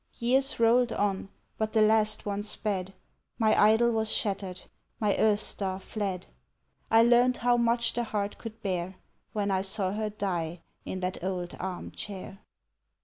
Years rolled on, but the last one sped My idol was shattered, my earth star fled; I learned how much the heart could bear, When I saw her die in that old arm chair.